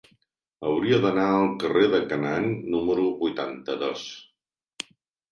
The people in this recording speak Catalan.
Hauria d'anar al carrer de Canaan número vuitanta-dos.